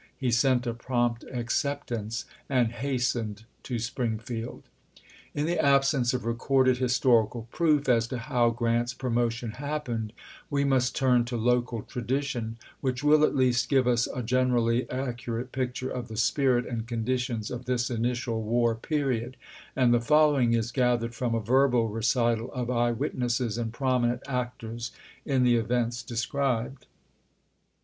He sent a prompt acceptance and hastened to Springfield. In the absence of recorded historical proof as to how Grant's promotion happened, we must turn to local tradition, which will at least give us a gen erally accurate picture of the spirit and conditions of this initial war period; and the following is MCCLELLAN AND GRANT 293 gathered from a verbal recital of eye witnesses chap.xvi. and prominent actors in the events described.